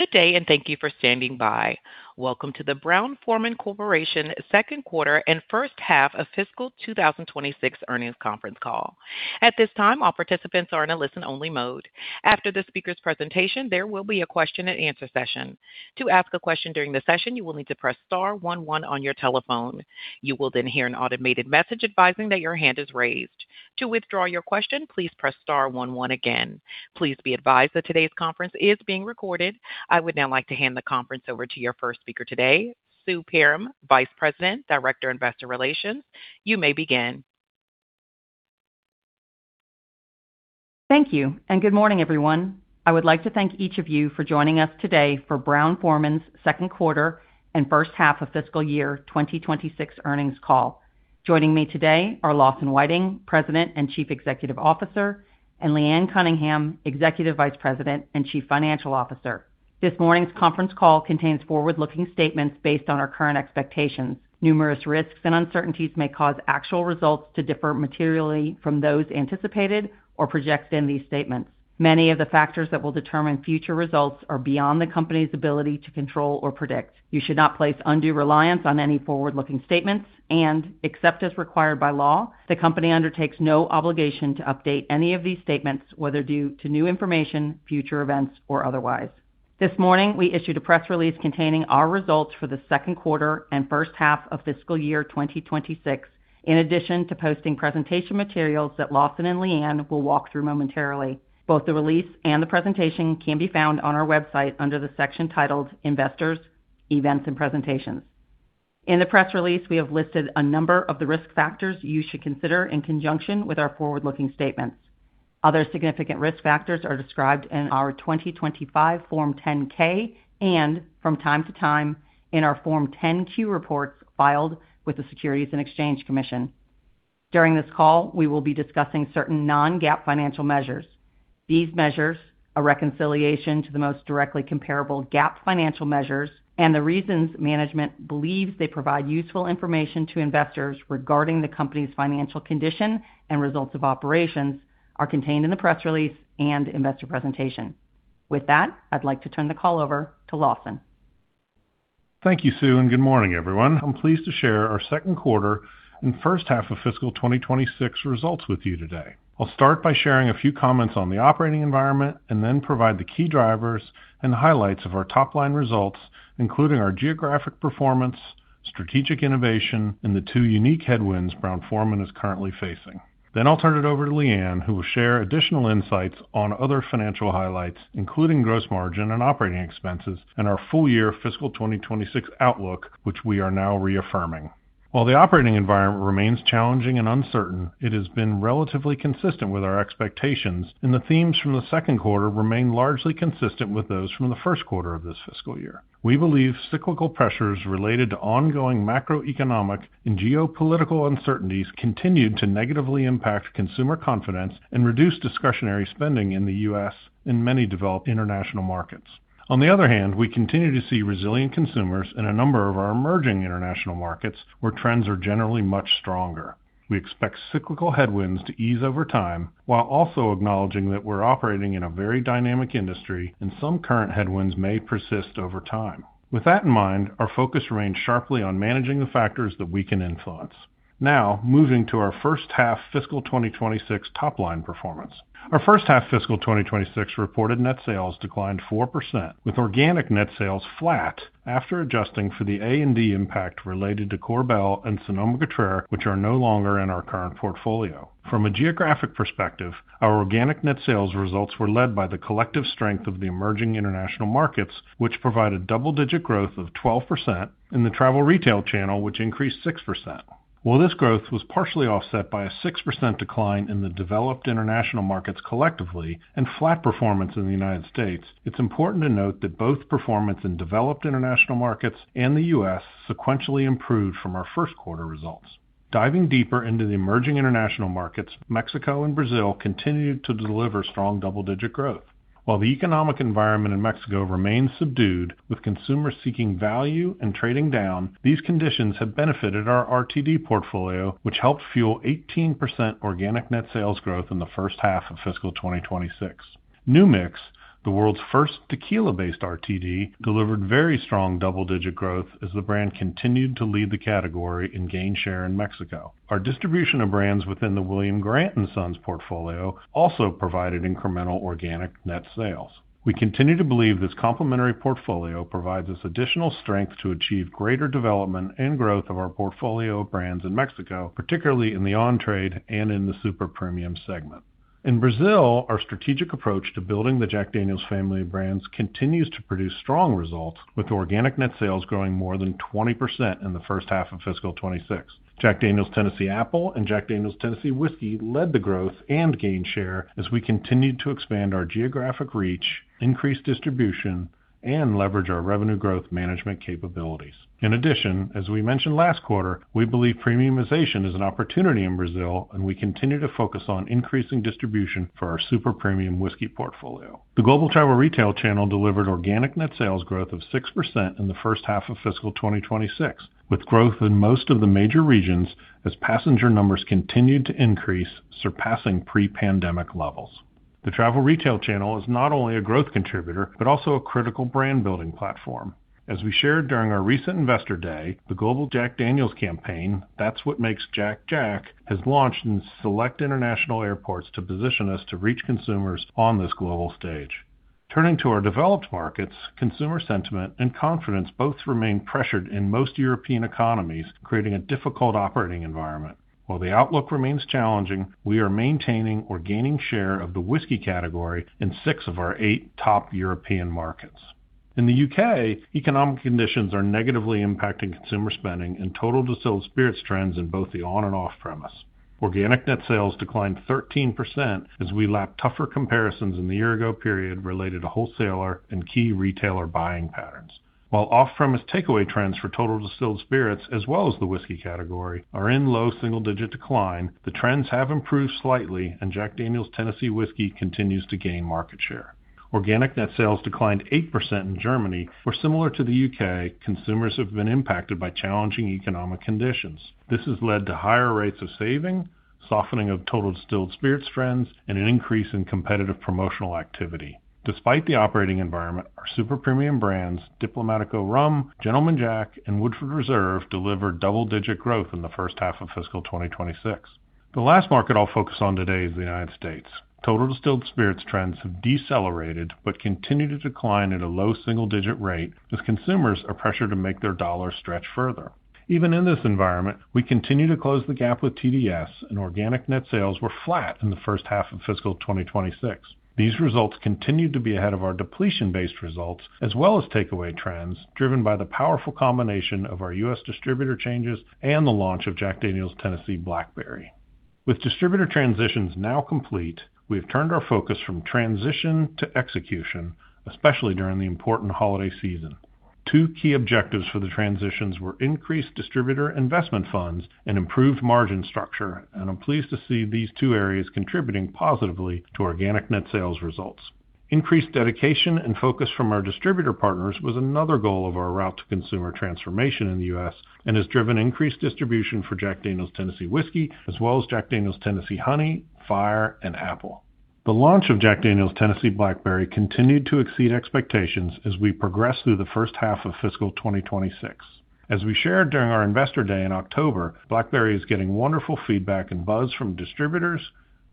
Good day, and thank you for standing by. Welcome to the Brown-Forman Corporation second quarter and first half of fiscal 2026 earnings conference call. At this time, all participants are in a listen-only mode. After the speaker's presentation, there will be a question-and-answer session. To ask a question during the session, you will need to press star 11 on your telephone. You will then hear an automated message advising that your hand is raised. To withdraw your question, please press star 11 again. Please be advised that today's conference is being recorded. I would now like to hand the conference over to your first speaker today, Sue Perram, Vice President, Director, Investor Relations. You may begin. Thank you, and good morning, everyone. I would like to thank each of you for joining us today for Brown-Forman's second quarter and first half of fiscal year 2025 earnings call. Joining me today are Lawson Whiting, President and Chief Executive Officer, and Leanne Cunningham, Executive Vice President and Chief Financial Officer. This morning's conference call contains forward-looking statements based on our current expectations. Numerous risks and uncertainties may cause actual results to differ materially from those anticipated or projected in these statements. Many of the factors that will determine future results are beyond the company's ability to control or predict. You should not place undue reliance on any forward-looking statements, and except as required by law, the company undertakes no obligation to update any of these statements, whether due to new information, future events, or otherwise. This morning, we issued a press release containing our results for the second quarter and first half of fiscal year 2026, in addition to posting presentation materials that Lawson and Leanne will walk through momentarily. Both the release and the presentation can be found on our website under the section titled Investors, Events, and Presentations. In the press release, we have listed a number of the risk factors you should consider in conjunction with our forward-looking statements. Other significant risk factors are described in our 2025 Form 10-K and, from time to time, in our Form 10-Q reports filed with the Securities and Exchange Commission. During this call, we will be discussing certain non-GAAP financial measures. These measures, a reconciliation to the most directly comparable GAAP financial measures, and the reasons management believes they provide useful information to investors regarding the company's financial condition and results of operations are contained in the press release and investor presentation. With that, I'd like to turn the call over to Lawson. Thank you, Sue, and good morning, everyone. I'm pleased to share our second quarter and first half of fiscal 2026 results with you today. I'll start by sharing a few comments on the operating environment and then provide the key drivers and highlights of our top-line results, including our geographic performance, strategic innovation, and the two unique headwinds Brown-Forman is currently facing. Then I'll turn it over to Leanne, who will share additional insights on other financial highlights, including gross margin and operating expenses, and our full-year fiscal 2026 outlook, which we are now reaffirming. While the operating environment remains challenging and uncertain, it has been relatively consistent with our expectations, and the themes from the second quarter remain largely consistent with those from the first quarter of this fiscal year. We believe cyclical pressures related to ongoing macroeconomic and geopolitical uncertainties continued to negatively impact consumer confidence and reduce discretionary spending in the U.S. and many developed international markets. On the other hand, we continue to see resilient consumers in a number of our emerging international markets, where trends are generally much stronger. We expect cyclical headwinds to ease over time, while also acknowledging that we're operating in a very dynamic industry, and some current headwinds may persist over time. With that in mind, our focus remains sharply on managing the factors that we can influence. Now, moving to our first half fiscal 2026 top-line performance. Our first half fiscal 2026 reported net sales declined 4%, with organic net sales flat after adjusting for the A&D impact related to Korbel and Sonoma-Cutrer, which are no longer in our current portfolio. From a geographic perspective, our organic net sales results were led by the collective strength of the emerging international markets, which provided double-digit growth of 12%, and the travel retail channel, which increased 6%. While this growth was partially offset by a 6% decline in the developed international markets collectively and flat performance in the United States, it's important to note that both performance in developed international markets and the U.S. sequentially improved from our first quarter results. Diving deeper into the emerging international markets, Mexico and Brazil continued to deliver strong double-digit growth. While the economic environment in Mexico remains subdued, with consumers seeking value and trading down, these conditions have benefited our RTD portfolio, which helped fuel 18% organic net sales growth in the first half of fiscal 2026. New Mix, the world's first tequila-based RTD, delivered very strong double-digit growth as the brand continued to lead the category in gain share in Mexico. Our distribution of brands within the William Grant & Sons portfolio also provided incremental organic net sales. We continue to believe this complementary portfolio provides us additional strength to achieve greater development and growth of our portfolio of brands in Mexico, particularly in the on-trade and in the super premium segment. In Brazil, our strategic approach to building the Jack Daniel's family of brands continues to produce strong results, with organic net sales growing more than 20% in the first half of fiscal 2026. Jack Daniel's Tennessee Apple and Jack Daniel's Tennessee Whiskey led the growth and gain share as we continued to expand our geographic reach, increase distribution, and leverage our revenue growth management capabilities. In addition, as we mentioned last quarter, we believe premiumization is an opportunity in Brazil, and we continue to focus on increasing distribution for our super premium whiskey portfolio. The global travel retail channel delivered organic net sales growth of 6% in the first half of fiscal 2026, with growth in most of the major regions as passenger numbers continued to increase, surpassing pre-pandemic levels. The travel retail channel is not only a growth contributor but also a critical brand-building platform. As we shared during our recent Investor Day, the global Jack Daniel's campaign, "That's What Makes Jack, Jack," has launched in select international airports to position us to reach consumers on this global stage. Turning to our developed markets, consumer sentiment and confidence both remain pressured in most European economies, creating a difficult operating environment. While the outlook remains challenging, we are maintaining or gaining share of the whiskey category in six of our eight top European markets. In the U.K., economic conditions are negatively impacting consumer spending and total distilled spirits trends in both the on- and off-premise. Organic net sales declined 13% as we lacked tougher comparisons in the year-ago period related to wholesaler and key retailer buying patterns. While off-premise takeaway trends for total distilled spirits, as well as the whiskey category, are in low single-digit decline, the trends have improved slightly, and Jack Daniel's Tennessee Whiskey continues to gain market share. Organic net sales declined 8% in Germany, where similar to the U.K., consumers have been impacted by challenging economic conditions. This has led to higher rates of saving, softening of total distilled spirits trends, and an increase in competitive promotional activity. Despite the operating environment, our super premium brands, Diplomático Rum, Gentleman Jack, and Woodford Reserve, delivered double-digit growth in the first half of fiscal 2026. The last market I'll focus on today is the United States. Total distilled spirits trends have decelerated but continue to decline at a low single-digit rate, as consumers are pressured to make their dollar stretch further. Even in this environment, we continue to close the gap with TDS, and organic net sales were flat in the first half of fiscal 2026. These results continue to be ahead of our depletion-based results, as well as takeaway trends driven by the powerful combination of our U.S. distributor changes and the launch of Jack Daniel's Tennessee Blackberry. With distributor transitions now complete, we have turned our focus from transition to execution, especially during the important holiday season. Two key objectives for the transitions were increased distributor investment funds and improved margin structure, and I'm pleased to see these two areas contributing positively to organic net sales results. Increased dedication and focus from our distributor partners was another goal of our route to consumer transformation in the U.S. and has driven increased distribution for Jack Daniel's Tennessee Whiskey, as well as Jack Daniel's Tennessee Honey, Fire, and Apple. The launch of Jack Daniel's Tennessee Blackberry continued to exceed expectations as we progressed through the first half of fiscal 2026. As we shared during our Investor Day in October, Blackberry is getting wonderful feedback and buzz from distributors,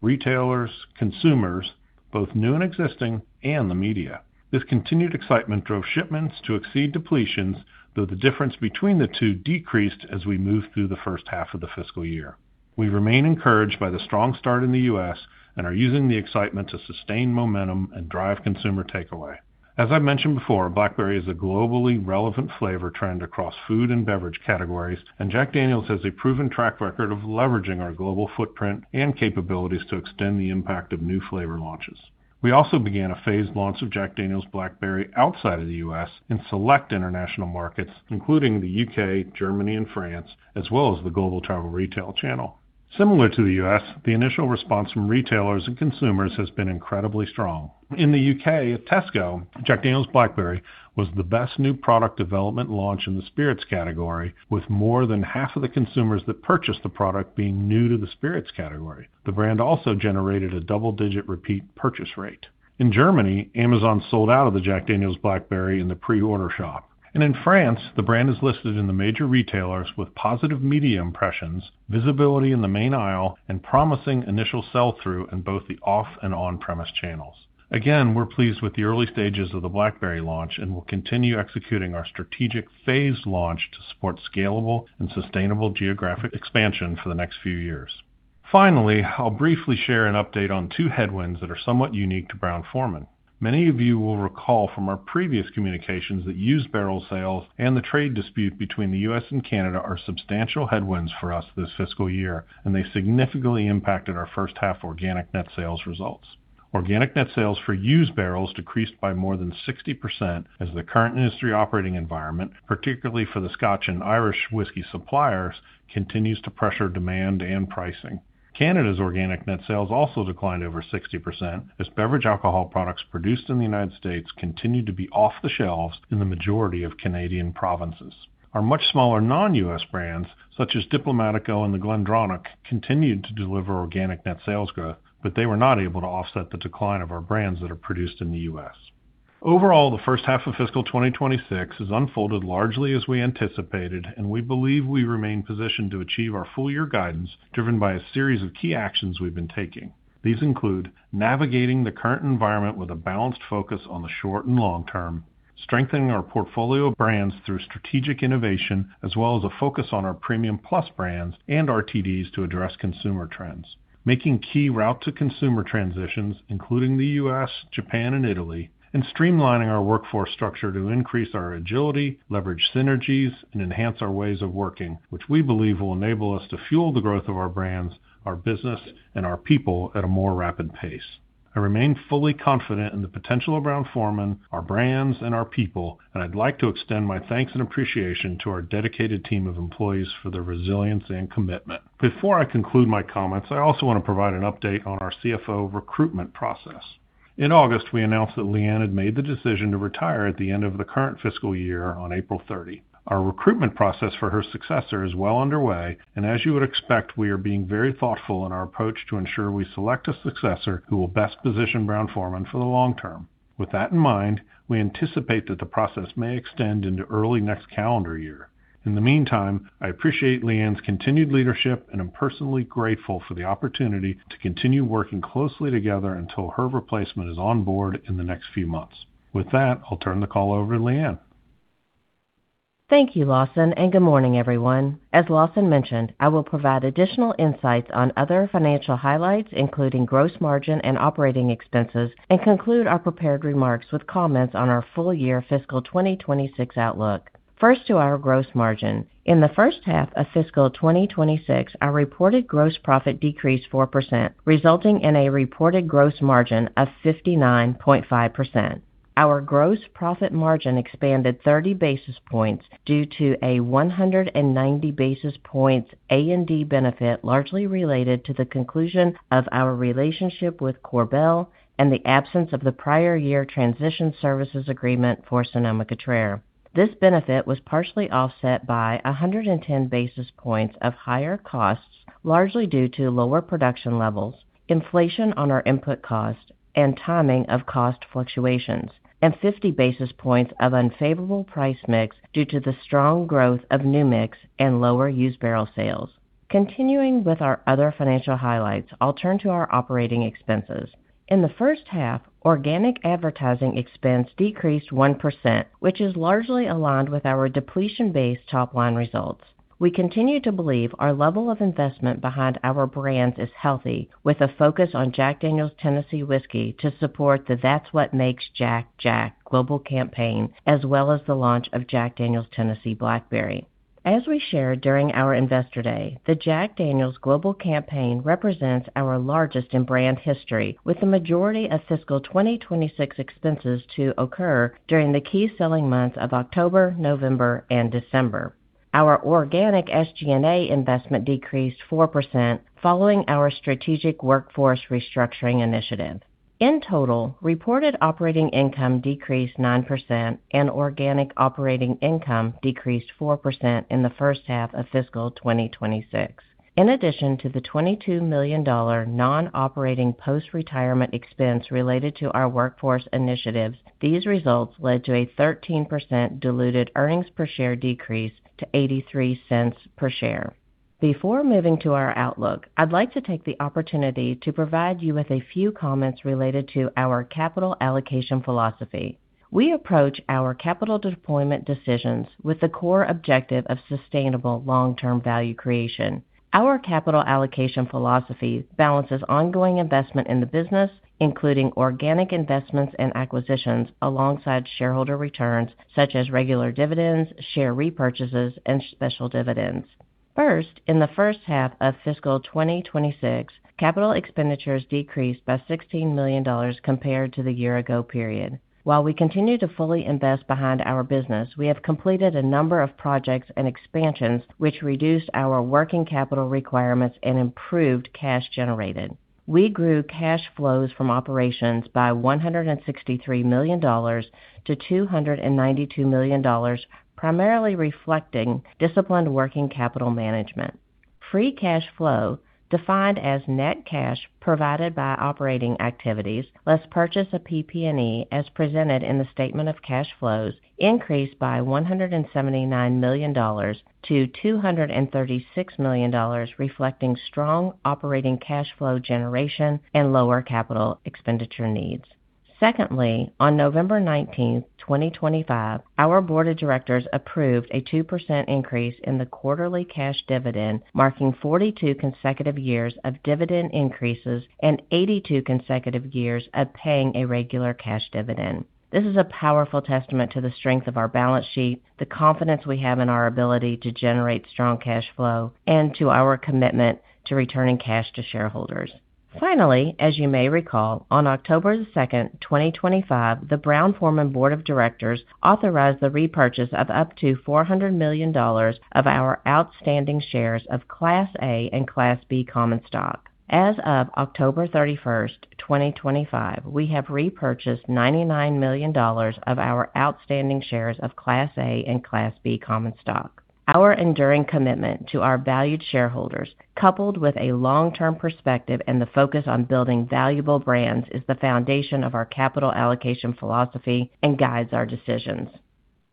retailers, consumers, both new and existing, and the media. This continued excitement drove shipments to exceed depletions, though the difference between the two decreased as we moved through the first half of the fiscal year. We remain encouraged by the strong start in the U.S. and are using the excitement to sustain momentum and drive consumer takeaway. As I mentioned before, Blackberry is a globally relevant flavor trend across food and beverage categories, and Jack Daniel's has a proven track record of leveraging our global footprint and capabilities to extend the impact of new flavor launches. We also began a phased launch of Jack Daniel's Blackberry outside of the U.S. in select international markets, including the U.K., Germany, and France, as well as the global travel retail channel. Similar to the U.S., the initial response from retailers and consumers has been incredibly strong. In the U.K., at Tesco, Jack Daniel's Blackberry was the best new product development launch in the spirits category, with more than half of the consumers that purchased the product being new to the spirits category. The brand also generated a double-digit repeat purchase rate. In Germany, Amazon sold out of the Jack Daniel's Tennessee Blackberry in the pre-order shop, and in France, the brand is listed in the major retailers with positive media impressions, visibility in the main aisle, and promising initial sell-through in both the off-premise and on-premise channels. Again, we're pleased with the early stages of the Blackberry launch and will continue executing our strategic phased launch to support scalable and sustainable geographic expansion for the next few years. Finally, I'll briefly share an update on two headwinds that are somewhat unique to Brown-Forman. Many of you will recall from our previous communications that used barrel sales and the trade dispute between the U.S. and Canada are substantial headwinds for us this fiscal year, and they significantly impacted our first half organic net sales results. Organic net sales for used barrels decreased by more than 60% as the current industry operating environment, particularly for the Scotch and Irish whiskey suppliers, continues to pressure demand and pricing. Canada's organic net sales also declined over 60% as beverage alcohol products produced in the United States continued to be off the shelves in the majority of Canadian provinces. Our much smaller non-U.S. brands, such as Diplomático and The GlenDronach, continued to deliver organic net sales growth, but they were not able to offset the decline of our brands that are produced in the U.S. Overall, the first half of fiscal 2026 has unfolded largely as we anticipated, and we believe we remain positioned to achieve our full-year guidance driven by a series of key actions we've been taking. These include navigating the current environment with a balanced focus on the short and long term, strengthening our portfolio of brands through strategic innovation, as well as a focus on our premium plus brands and RTDs to address consumer trends, making key route-to-consumer transitions, including the U.S., Japan, and Italy, and streamlining our workforce structure to increase our agility, leverage synergies, and enhance our ways of working, which we believe will enable us to fuel the growth of our brands, our business, and our people at a more rapid pace. I remain fully confident in the potential of Brown-Forman, our brands, and our people, and I'd like to extend my thanks and appreciation to our dedicated team of employees for their resilience and commitment. Before I conclude my comments, I also want to provide an update on our CFO recruitment process. In August, we announced that Leanne had made the decision to retire at the end of the current fiscal year on April 30. Our recruitment process for her successor is well underway, and as you would expect, we are being very thoughtful in our approach to ensure we select a successor who will best position Brown-Forman for the long term. With that in mind, we anticipate that the process may extend into early next calendar year. In the meantime, I appreciate Leanne's continued leadership and am personally grateful for the opportunity to continue working closely together until her replacement is on board in the next few months. With that, I'll turn the call over to Leanne. Thank you, Lawson, and good morning, everyone. As Lawson mentioned, I will provide additional insights on other financial highlights, including gross margin and operating expenses, and conclude our prepared remarks with comments on our full-year fiscal 2026 outlook. First, to our gross margin. In the first half of fiscal 2026, our reported gross profit decreased 4%, resulting in a reported gross margin of 59.5%. Our gross profit margin expanded 30 basis points due to a 190 basis points A&D benefit largely related to the conclusion of our relationship with Korbel and the absence of the prior year transition services agreement for Sonoma-Cutrer. This benefit was partially offset by 110 basis points of higher costs, largely due to lower production levels, inflation on our input cost, and timing of cost fluctuations, and 50 basis points of unfavorable price mix due to the strong growth of New Mix and lower used barrel sales. Continuing with our other financial highlights, I'll turn to our operating expenses. In the first half, organic advertising expense decreased 1%, which is largely aligned with our depletion-based top-line results. We continue to believe our level of investment behind our brands is healthy, with a focus on Jack Daniel's Tennessee Whiskey to support the "That's What Makes Jack, Jack" global campaign, as well as the launch of Jack Daniel's Tennessee Blackberry. As we shared during our Investor Day, the Jack Daniel's global campaign represents our largest in brand history, with the majority of fiscal 2026 expenses to occur during the key selling months of October, November, and December. Our organic SG&A investment decreased 4% following our strategic workforce restructuring initiative. In total, reported operating income decreased 9%, and organic operating income decreased 4% in the first half of fiscal 2026. In addition to the $22 million non-operating post-retirement expense related to our workforce initiatives, these results led to a 13% diluted earnings per share decrease to $0.83 per share. Before moving to our outlook, I'd like to take the opportunity to provide you with a few comments related to our capital allocation philosophy. We approach our capital deployment decisions with the core objective of sustainable long-term value creation. Our capital allocation philosophy balances ongoing investment in the business, including organic investments and acquisitions, alongside shareholder returns such as regular dividends, share repurchases, and special dividends. First, in the first half of fiscal 2026, capital expenditures decreased by $16 million compared to the year-ago period. While we continue to fully invest behind our business, we have completed a number of projects and expansions which reduced our working capital requirements and improved cash generated. We grew cash flows from operations by $163 million to $292 million, primarily reflecting disciplined working capital management. Free cash flow, defined as net cash provided by operating activities, less purchase of PP&E, as presented in the statement of cash flows, increased by $179 million to $236 million, reflecting strong operating cash flow generation and lower capital expenditure needs. Secondly, on November 19, 2025, our board of directors approved a 2% increase in the quarterly cash dividend, marking 42 consecutive years of dividend increases and 82 consecutive years of paying a regular cash dividend. This is a powerful testament to the strength of our balance sheet, the confidence we have in our ability to generate strong cash flow, and to our commitment to returning cash to shareholders. Finally, as you may recall, on October 2, 2025, the Brown-Forman Board of Directors authorized the repurchase of up to $400 million of our outstanding shares of Class A and Class B common stock. As of October 31, 2025, we have repurchased $99 million of our outstanding shares of Class A and Class B common stock. Our enduring commitment to our valued shareholders, coupled with a long-term perspective and the focus on building valuable brands, is the foundation of our capital allocation philosophy and guides our decisions.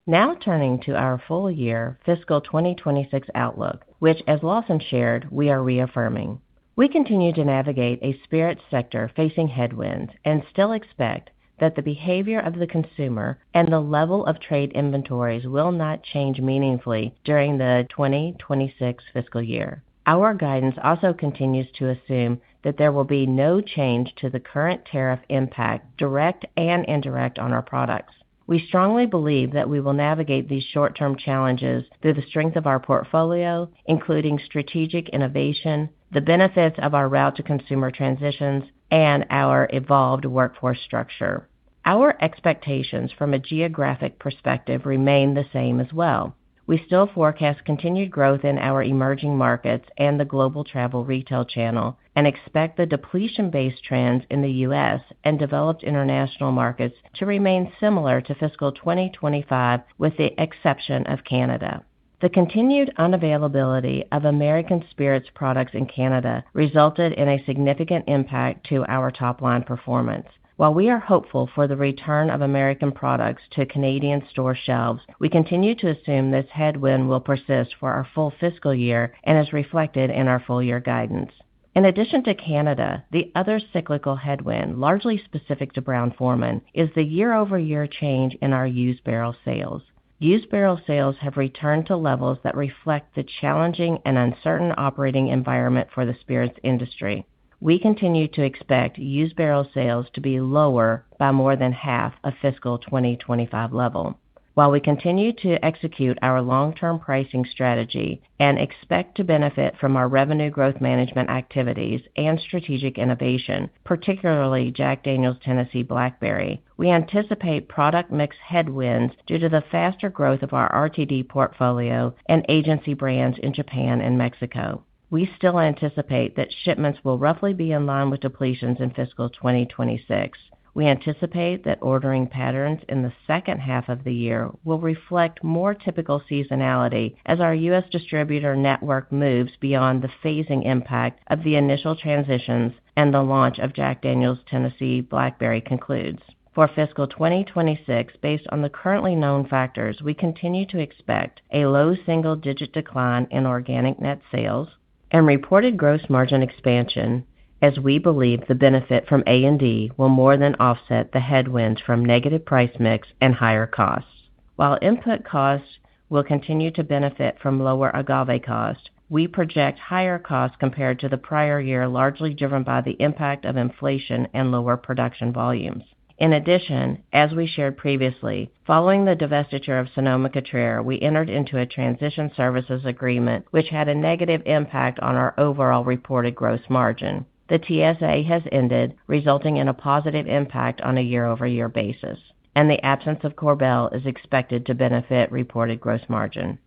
Now turning to our full-year fiscal 2026 outlook, which, as Lawson shared, we are reaffirming. We continue to navigate a spirits sector facing headwinds and still expect that the behavior of the consumer and the level of trade inventories will not change meaningfully during the 2026 fiscal year. Our guidance also continues to assume that there will be no change to the current tariff impact, direct and indirect, on our products. We strongly believe that we will navigate these short-term challenges through the strength of our portfolio, including strategic innovation, the benefits of our route-to-consumer transitions, and our evolved workforce structure. Our expectations from a geographic perspective remain the same as well. We still forecast continued growth in our emerging markets and the global travel retail channel and expect the depletion-based trends in the U.S. and developed international markets to remain similar to fiscal 2025, with the exception of Canada. The continued unavailability of American spirits products in Canada resulted in a significant impact to our top-line performance. While we are hopeful for the return of American products to Canadian store shelves, we continue to assume this headwind will persist for our full fiscal year and is reflected in our full-year guidance. In addition to Canada, the other cyclical headwind, largely specific to Brown-Forman, is the year-over-year change in our used barrel sales. Used barrel sales have returned to levels that reflect the challenging and uncertain operating environment for the spirits industry. We continue to expect used barrel sales to be lower by more than half of fiscal 2025 level. While we continue to execute our long-term pricing strategy and expect to benefit from our revenue growth management activities and strategic innovation, particularly Jack Daniel's Tennessee Blackberry, we anticipate product mix headwinds due to the faster growth of our RTD portfolio and agency brands in Japan and Mexico. We still anticipate that shipments will roughly be in line with depletions in fiscal 2026. We anticipate that ordering patterns in the second half of the year will reflect more typical seasonality as our U.S. distributor network moves beyond the phasing impact of the initial transitions and the launch of Jack Daniel's Tennessee Blackberry concludes. For fiscal 2026, based on the currently known factors, we continue to expect a low single-digit decline in organic net sales and reported gross margin expansion, as we believe the benefit from A&D will more than offset the headwinds from negative price mix and higher costs. While input costs will continue to benefit from lower agave cost, we project higher costs compared to the prior year, largely driven by the impact of inflation and lower production volumes. In addition, as we shared previously, following the divestiture of Sonoma-Cutrer, we entered into a transition services agreement, which had a negative impact on our overall reported gross margin. The TSA has ended, resulting in a positive impact on a year-over-year basis, and the absence of Korbel is expected to benefit reported gross margin.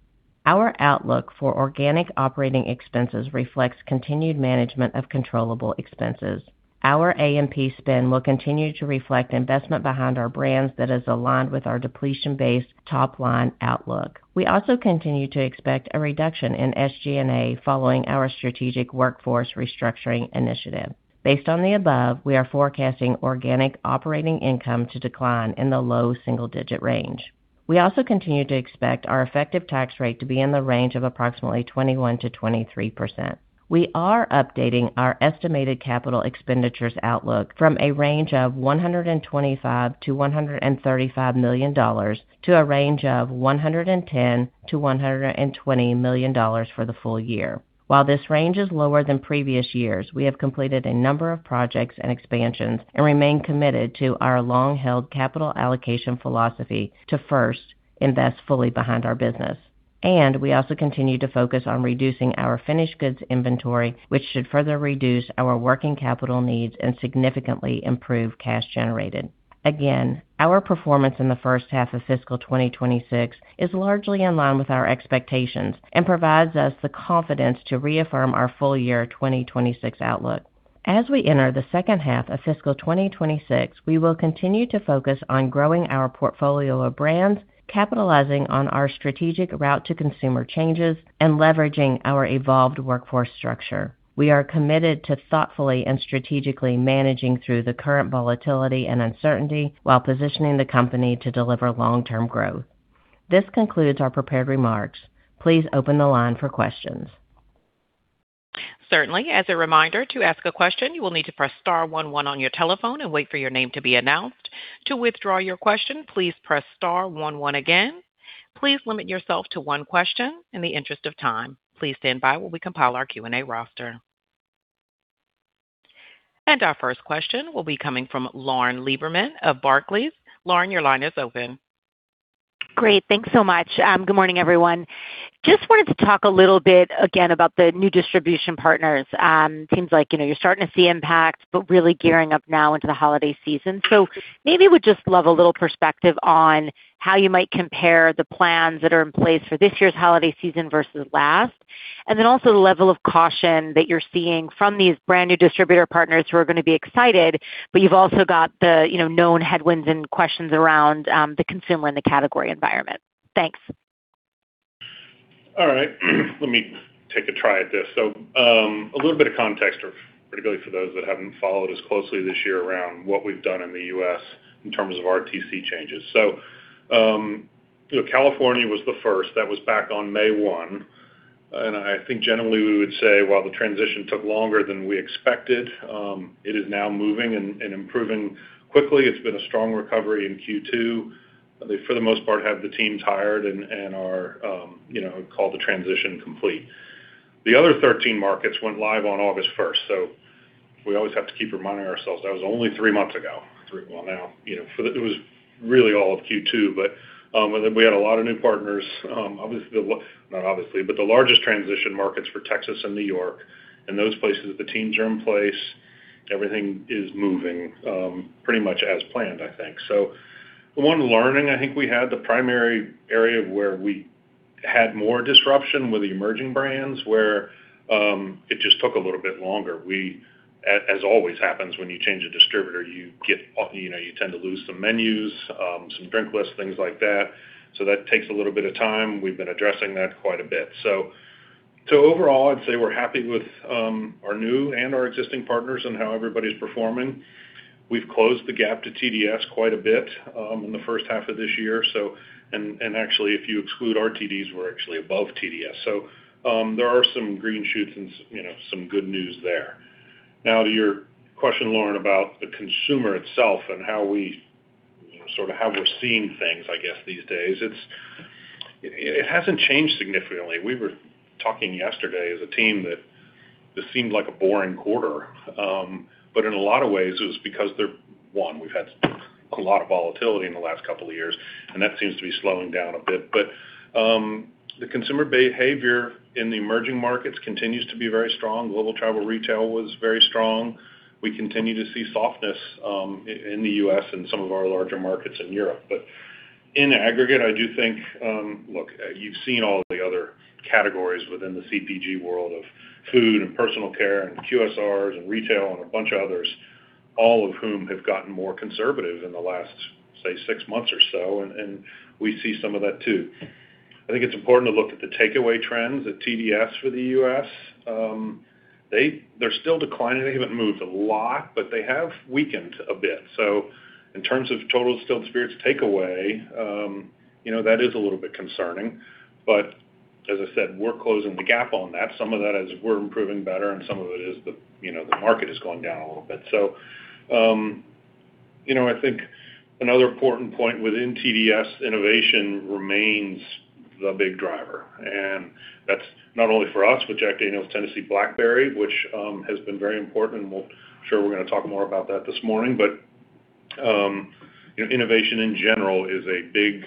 Our outlook for organic operating expenses reflects continued management of controllable expenses. Our A&P spend will continue to reflect investment behind our brands that is aligned with our depletion-based top-line outlook. We also continue to expect a reduction in SG&A following our strategic workforce restructuring initiative. Based on the above, we are forecasting organic operating income to decline in the low single-digit range. We also continue to expect our effective tax rate to be in the range of approximately 21%-23%. We are updating our estimated capital expenditures outlook from a range of $125-$135 million to a range of $110-$120 million for the full year. While this range is lower than previous years, we have completed a number of projects and expansions and remain committed to our long-held capital allocation philosophy to first invest fully behind our business, and we also continue to focus on reducing our finished goods inventory, which should further reduce our working capital needs and significantly improve cash generated. Again, our performance in the first half of fiscal 2026 is largely in line with our expectations and provides us the confidence to reaffirm our full-year fiscal 2026 outlook. As we enter the second half of fiscal 2026, we will continue to focus on growing our portfolio of brands, capitalizing on our strategic route-to-consumer changes, and leveraging our evolved workforce structure. We are committed to thoughtfully and strategically managing through the current volatility and uncertainty while positioning the company to deliver long-term growth. This concludes our prepared remarks. Please open the line for questions. Certainly. As a reminder, to ask a question, you will need to press star 11 on your telephone and wait for your name to be announced. To withdraw your question, please press star 11 again. Please limit yourself to one question in the interest of time. Please stand by while we compile our Q&A roster. Our first question will be coming from Lauren Lieberman of Barclays. Lauren, your line is open. Great. Thanks so much. Good morning, everyone. Just wanted to talk a little bit again about the new distribution partners. It seems like you're starting to see impact, but really gearing up now into the holiday season. So maybe we'd just love a little perspective on how you might compare the plans that are in place for this year's holiday season versus last, and then also the level of caution that you're seeing from these brand new distributor partners who are going to be excited, but you've also got the known headwinds and questions around the consumer in the category environment. Thanks. All right. Let me take a try at this, so a little bit of context for those that haven't followed as closely this year around what we've done in the U.S. in terms of RTC changes, so California was the first. That was back on May 1, and I think generally we would say, while the transition took longer than we expected, it is now moving and improving quickly. It's been a strong recovery in Q2. They, for the most part, have the teams hired and called the transition complete. The other 13 markets went live on August 1st. So we always have to keep reminding ourselves that was only three months ago. Well, now it was really all of Q2, but we had a lot of new partners. Obviously, not obviously, but the largest transition markets for Texas and New York and those places that the teams are in place, everything is moving pretty much as planned, I think. So one learning I think we had, the primary area where we had more disruption with the emerging brands, where it just took a little bit longer. As always happens when you change a distributor, you tend to lose some menus, some drink lists, things like that. So that takes a little bit of time. We've been addressing that quite a bit. So overall, I'd say we're happy with our new and our existing partners and how everybody's performing. We've closed the gap to TDS quite a bit in the first half of this year. And actually, if you exclude RTDs, we're actually above TDS. So there are some green shoots and some good news there. Now, to your question, Lauren, about the consumer itself and how we sort of we're seeing things, I guess, these days, it hasn't changed significantly. We were talking yesterday as a team that this seemed like a boring quarter. But in a lot of ways, it was because, one, we've had a lot of volatility in the last couple of years, and that seems to be slowing down a bit. But the consumer behavior in the emerging markets continues to be very strong. Global Travel Retail was very strong. We continue to see softness in the U.S. and some of our larger markets in Europe, but in aggregate, I do think, look, you've seen all of the other categories within the CPG world of food and personal care and QSRs and retail and a bunch of others, all of whom have gotten more conservative in the last, say, six months or so, and we see some of that too. I think it's important to look at the takeaway trends at TDS for the U.S. They're still declining. They haven't moved a lot, but they have weakened a bit, so in terms of total distilled spirits takeaway, that is a little bit concerning. But as I said, we're closing the gap on that. Some of that is we're improving better, and some of it is the market has gone down a little bit. So I think another important point within TDS, innovation remains the big driver. And that's not only for us, but Jack Daniel's Tennessee Blackberry, which has been very important. And I'm sure we're going to talk more about that this morning. But innovation in general is a big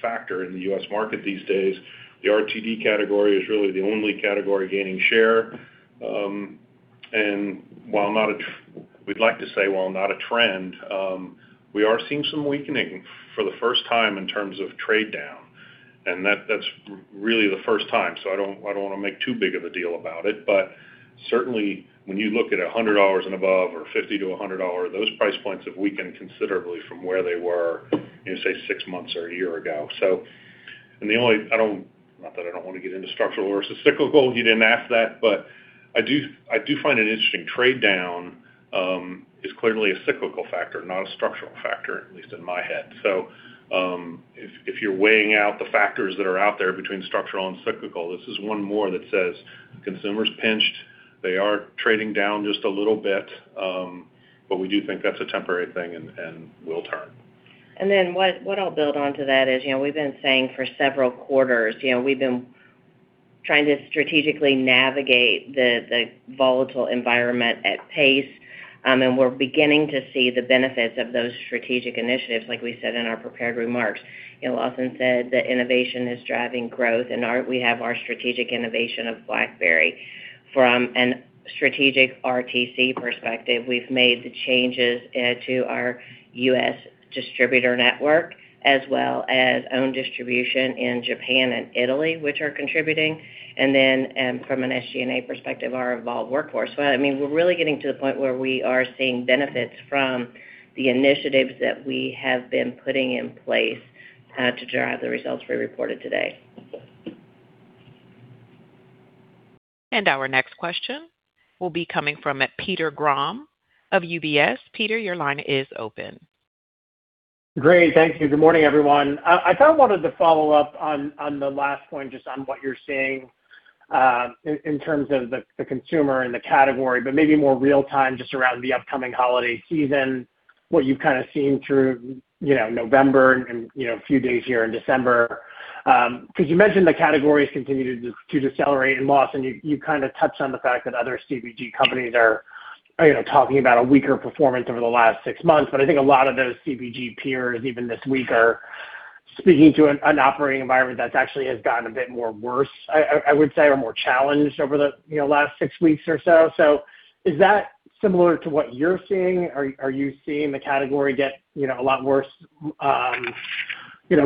factor in the U.S. market these days. The RTD category is really the only category gaining share. And while not a, we'd like to say while not a trend, we are seeing some weakening for the first time in terms of trade down. And that's really the first time. So I don't want to make too big of a deal about it. But certainly, when you look at $100 and above or $50-$100, those price points have weakened considerably from where they were, say, six months or a year ago. And the only—I don't—not that I don't want to get into structural versus cyclical, you didn't ask that, but I do find an interesting trade down is clearly a cyclical factor, not a structural factor, at least in my head. So if you're weighing out the factors that are out there between structural and cyclical, this is one more that says consumers pinched. They are trading down just a little bit, but we do think that's a temporary thing and will turn. And then what I'll build on to that is we've been saying for several quarters, we've been trying to strategically navigate the volatile environment at pace, and we're beginning to see the benefits of those strategic initiatives, like we said in our prepared remarks. Lawson said that innovation is driving growth, and we have our strategic innovation of Blackberry. From a strategic RTC perspective, we've made the changes to our U.S. distributor network as well as own distribution in Japan and Italy, which are contributing. And then from an SG&A perspective, our involved workforce. Well, I mean, we're really getting to the point where we are seeing benefits from the initiatives that we have been putting in place to drive the results we reported today. And our next question will be coming from Peter Grom of UBS. Peter, your line is open. Great. Thank you. Good morning, everyone. I kind of wanted to follow up on the last point, just on what you're seeing in terms of the consumer and the category, but maybe more real-time just around the upcoming holiday season, what you've kind of seen through November and a few days here in December. Because you mentioned the categories continue to decelerate in loss, and you kind of touched on the fact that other CPG companies are talking about a weaker performance over the last six months. But I think a lot of those CPG peers, even this week, are speaking to an operating environment that actually has gotten a bit more worse, I would say, or more challenged over the last six weeks or so. So is that similar to what you're seeing? Are you seeing the category get a lot worse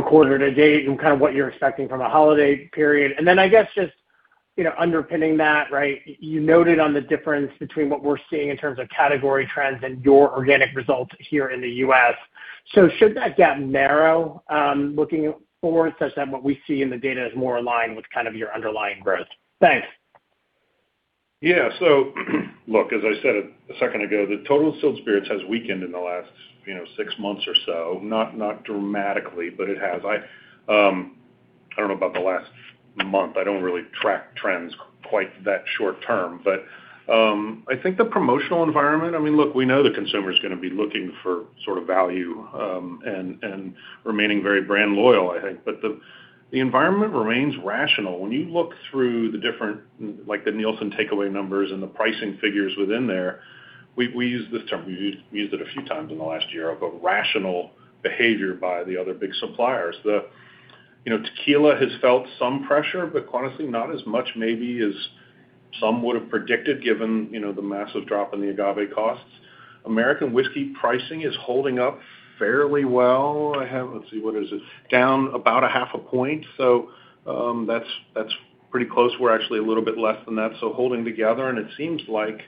quarter to date and kind of what you're expecting from a holiday period? And then I guess just underpinning that, right, you noted on the difference between what we're seeing in terms of category trends and your organic results here in the U.S. So should that gap narrow looking forward such that what we see in the data is more aligned with kind of your underlying growth? Thanks. Yeah. So look, as I said a second ago, the total distilled spirits has weakened in the last six months or so, not dramatically, but it has. I don't know about the last month. I don't really track trends quite that short term, but I think the promotional environment, I mean, look, we know the consumer is going to be looking for sort of value and remaining very brand loyal, I think. But the environment remains rational. When you look through the different Nielsen takeaway numbers and the pricing figures within there, we use this term. We used it a few times in the last year of a rational behavior by the other big suppliers. The tequila has felt some pressure, but honestly, not as much maybe as some would have predicted given the massive drop in the agave costs. American whiskey pricing is holding up fairly well. Let's see. What is it? Down about 0.5 point. So that's pretty close. We're actually a little bit less than that. So holding together, and it seems like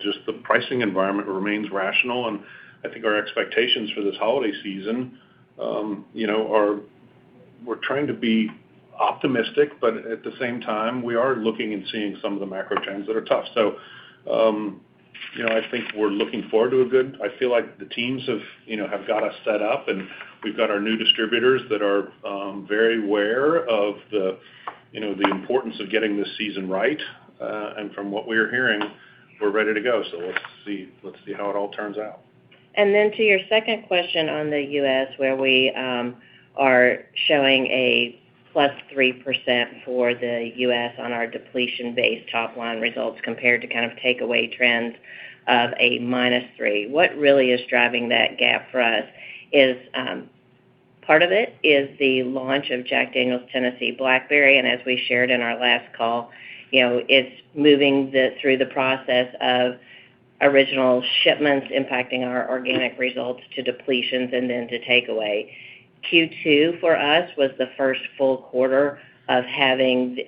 just the pricing environment remains rational. And I think our expectations for this holiday season are we're trying to be optimistic, but at the same time, we are looking and seeing some of the macro trends that are tough. So I think we're looking forward to a good. I feel like the teams have got us set up, and we've got our new distributors that are very aware of the importance of getting this season right. And from what we are hearing, we're ready to go. So let's see how it all turns out. And then to your second question on the U.S., where we are showing a +3% for the U.S. on our depletion-based top-line results compared to kind of takeaway trends of a -3%, what really is driving that gap for us is part of it is the launch of Jack Daniel's Tennessee Blackberry. And as we shared in our last call, it's moving through the process of original shipments impacting our organic results to depletions and then to takeaway. Q2 for us was the first full quarter of having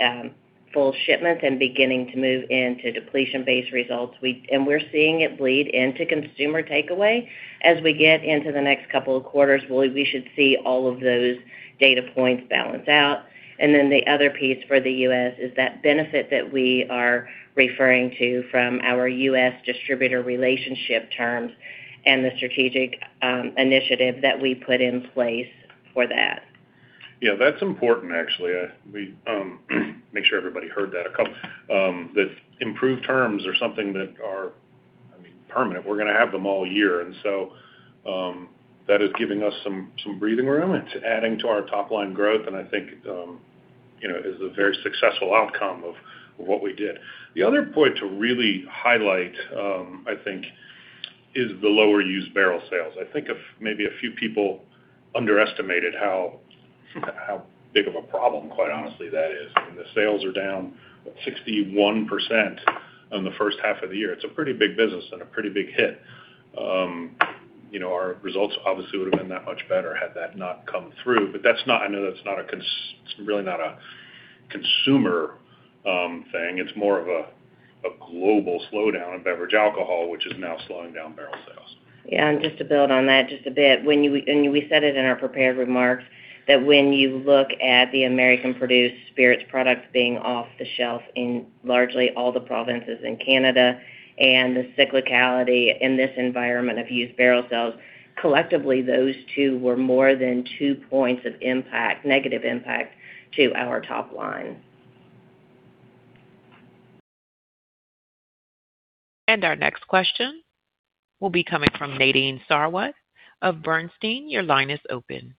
full shipments and beginning to move into depletion-based results. And we're seeing it bleed into consumer takeaway. As we get into the next couple of quarters, we should see all of those data points balance out. And then the other piece for the U.S. Is that benefit that we are referring to from our U.S. distributor relationship terms and the strategic initiative that we put in place for that. Yeah, that's important, actually. I make sure everybody heard that. The improved terms are something that are, I mean, permanent. We're going to have them all year. And so that is giving us some breathing room. It's adding to our top-line growth, and I think is a very successful outcome of what we did. The other point to really highlight, I think, is the lower used barrel sales. I think maybe a few people underestimated how big of a problem, quite honestly, that is. I mean, the sales are down 61% in the first half of the year. It's a pretty big business and a pretty big hit. Our results obviously would have been that much better had that not come through. But I know that's not a. It's really not a consumer thing. It's more of a global slowdown in beverage alcohol, which is now slowing down barrel sales. Yeah. And just to build on that just a bit, we said it in our prepared remarks that when you look at the American-produced spirits products being off the shelf in largely all the provinces in Canada and the cyclicality in this environment of used barrel sales, collectively, those two were more than two points of impact, negative impact to our top line. And our next question will be coming from Nadine Sarwat of Bernstein. Your line is open.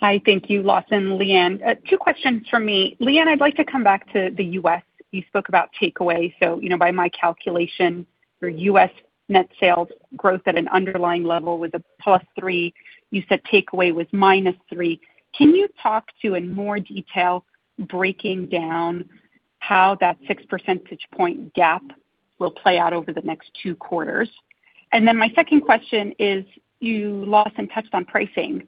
Hi. Thank you, Lawson. Leanne, two questions for me. Leanne, I'd like to come back to the U.S. You spoke about takeaway. So by my calculation, your U.S. net sales growth at an underlying level was a plus 3. You said takeaway was -3%. Can you talk to, in more detail, breaking down how that 6 percentage point gap will play out over the next two quarters? And then my second question is, Lawson, touched on pricing.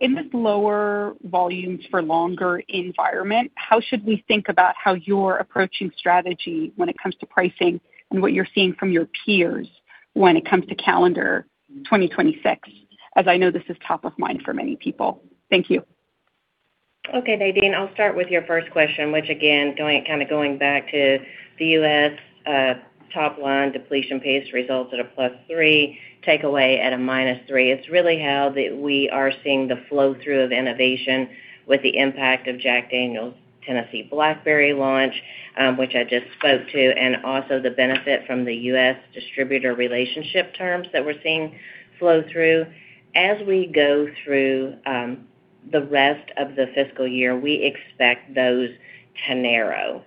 In this lower volumes for longer environment, how should we think about how you're approaching strategy when it comes to pricing and what you're seeing from your peers when it comes to calendar 2026? As I know, this is top of mind for many people. Thank you. Okay, Nadine. I'll start with your first question, which, again, kind of going back to the U.S. top-line depletion-based results at a +3%, takeaway at a -3%. It's really how we are seeing the flow-through of innovation with the impact of Jack Daniel's Tennessee Blackberry launch, which I just spoke to, and also the benefit from the U.S. Distributor relationship terms that we're seeing flow through. As we go through the rest of the fiscal year, we expect those to narrow.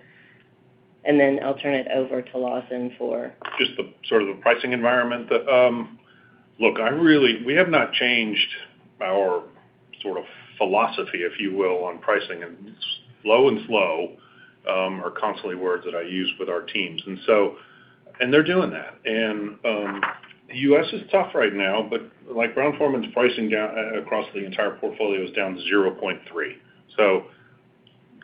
And then I'll turn it over to Lawson for- just the sort of pricing environment. Look, we have not changed our sort of philosophy, if you will, on pricing. And low and slow are constantly words that I use with our teams. And they're doing that. And the U.S. is tough right now, but Brown-Forman's pricing across the entire portfolio is down to 0.3%. So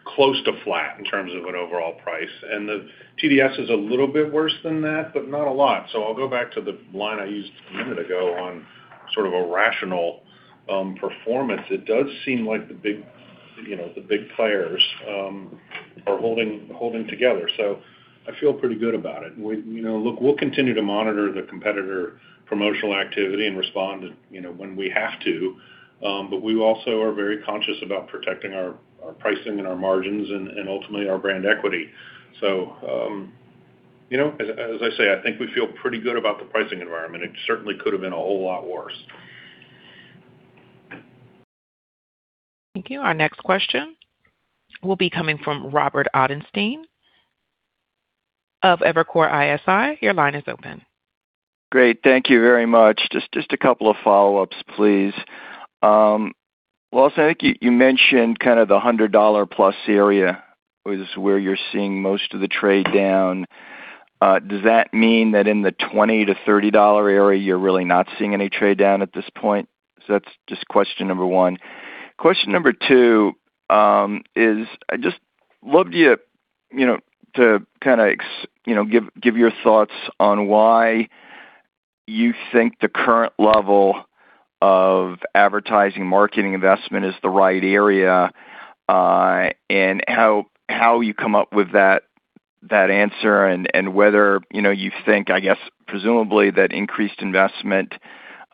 close to flat in terms of an overall price. And the TDS is a little bit worse than that, but not a lot. So I'll go back to the line I used a minute ago on sort of a rational performance. It does seem like the big players are holding together. So I feel pretty good about it. Look, we'll continue to monitor the competitor promotional activity and respond when we have to. But we also are very conscious about protecting our pricing and our margins and ultimately our brand equity. So as I say, I think we feel pretty good about the pricing environment. It certainly could have been a whole lot worse. Thank you. Our next question will be coming from Robert Ottenstein of Evercore ISI. Your line is open. Great. Thank you very much. Just a couple of follow-ups, please. Lawson, I think you mentioned kind of the $100+ area was where you're seeing most of the trade down. Does that mean that in the $20-$30 dollar area, you're really not seeing any trade down at this point? So that's just question number one. Question number two is I'd just love you to kind of give your thoughts on why you think the current level of advertising marketing investment is the right area and how you come up with that answer and whether you think, I guess, presumably that increased investment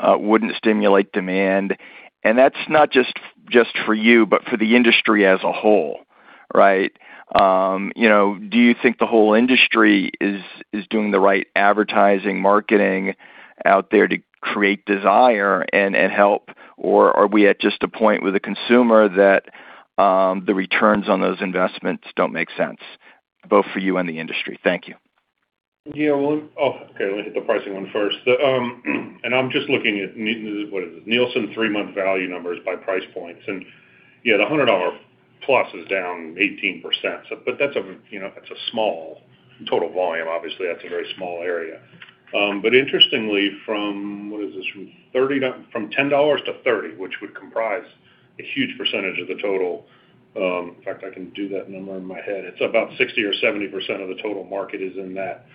wouldn't stimulate demand. And that's not just for you, but for the industry as a whole, right? Do you think the whole industry is doing the right advertising marketing out there to create desire and help, or are we at just a point with the consumer that the returns on those investments don't make sense, both for you and the industry? Thank you. Yeah. Oh, okay. Let me hit the pricing one first. And I'm just looking at what is this? Nielsen three-month value numbers by price points. And yeah, the $100 plus is down 18%. But that's a small total volume. Obviously, that's a very small area. But interestingly, from what is this? From $10-$30, which would comprise a huge percentage of the total, in fact, I can do that number in my head. It's about 60 or 70% of the total market is in that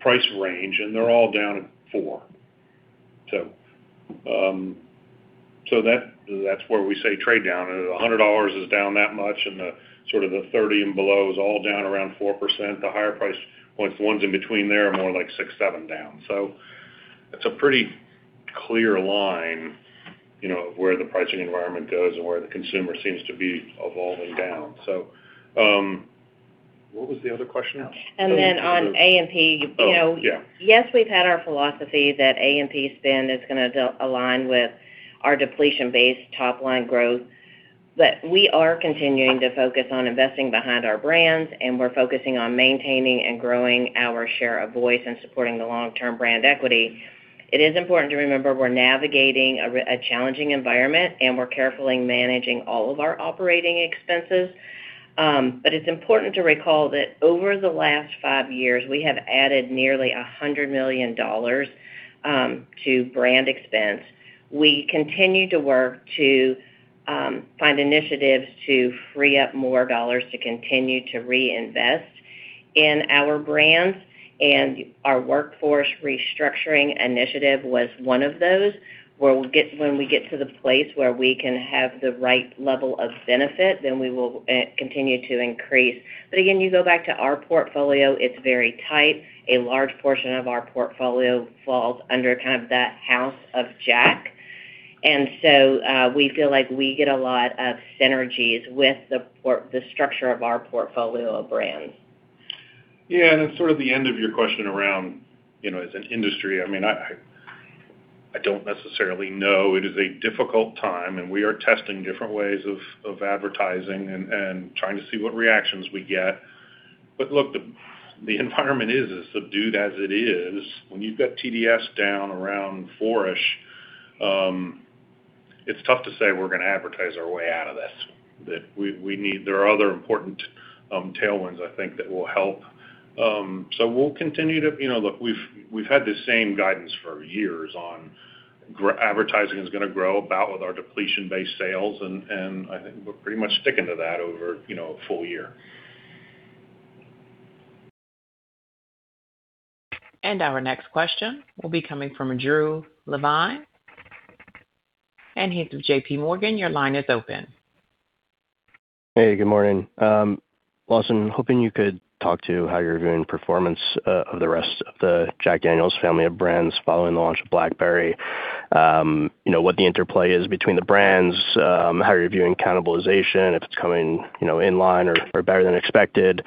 price range, and they're all down at 4%. So that's where we say trade down. The $100 is down that much, and sort of the $30 and below is all down around 4%. The higher price points, the ones in between there are more like 6%-7% down. So it's a pretty clear line of where the pricing environment goes and where the consumer seems to be evolving down. So what was the other question? And then on A&P, yes, we've had our philosophy that A&P spend is going to align with our depletion-based top-line growth, but we are continuing to focus on investing behind our brands, and we're focusing on maintaining and growing our share of voice and supporting the long-term brand equity. It is important to remember we're navigating a challenging environment, and we're carefully managing all of our operating expenses. But it's important to recall that over the last five years, we have added nearly $100 million to brand expense. We continue to work to find initiatives to free up more dollars to continue to reinvest in our brands. And our workforce restructuring initiative was one of those. When we get to the place where we can have the right level of benefit, then we will continue to increase. But again, you go back to our portfolio, it's very tight. A large portion of our portfolio falls under kind of that House of Jack, and so we feel like we get a lot of synergies with the structure of our portfolio of brands. Yeah, and then sort of the end of your question around, as an industry, I mean, I don't necessarily know. It is a difficult time, and we are testing different ways of advertising and trying to see what reactions we get, but look, the environment is as subdued as it is. When you've got TDS down around 4-ish, it's tough to say we're going to advertise our way out of this. There are other important tailwinds, I think, that will help, so we'll continue to look. We've had the same guidance for years on advertising is going to grow about with our depletion-based sales, and I think we're pretty much sticking to that over a full year. And our next question will be coming from Drew Levine. And he's with JPMorgan. Your line is open. Hey, good morning. Lawson, hoping you could talk to how you're viewing performance of the rest of the Jack Daniel's family of brands following the launch of Blackberry, what the interplay is between the brands, how you're viewing cannibalization, if it's coming in line or better than expected,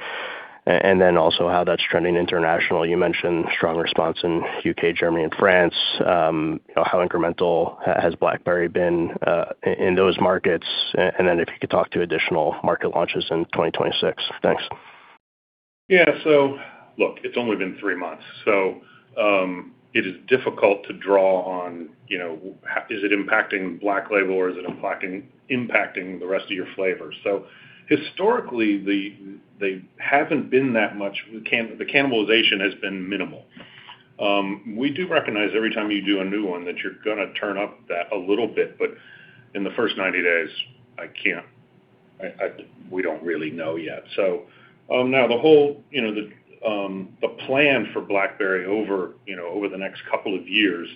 and then also how that's trending internationally. You mentioned strong response in the U.K., Germany, and France. How incremental has Blackberry been in those markets? And then if you could talk to additional market launches in 2026. Thanks. Yeah. So look, it's only been three months. So it is difficult to draw on, is it impacting Black Label, or is it impacting the rest of your flavors? So historically, they haven't been that much. The cannibalization has been minimal. We do recognize every time you do a new one that you're going to turn up that a little bit. But in the first 90 days, we don't really know yet. So now the whole plan for Blackberry over the next couple of years,